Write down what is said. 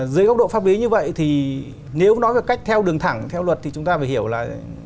dưới góc độ pháp lý như vậy thì nếu nói cách theo đường thẳng theo luật thì chúng ta phải hiểu là